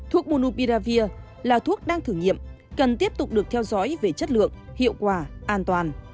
thuốc bunubiravir là thuốc đang thử nghiệm cần tiếp tục được theo dõi về chất lượng hiệu quả an toàn